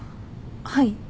はい。